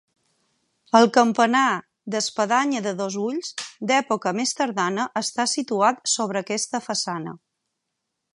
El campanar d'espadanya de dos ulls, d'època més tardana, està situat sobre aquesta façana.